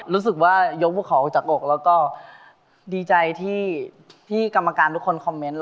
รู้สึกว่ายกพวกเขาออกจากอกแล้วก็ดีใจที่กรรมการทุกคนคอมเมนต์